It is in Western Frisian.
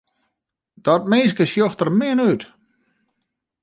Dat minske sjocht der min út.